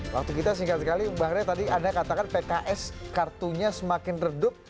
waktu kita singkat sekali bang rey tadi anda katakan pks kartunya semakin redup